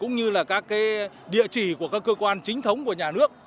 cũng như là các địa chỉ của các cơ quan chính thống của nhà nước